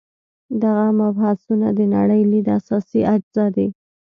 دغه مبحثونه د نړۍ لید اساسي اجزا دي.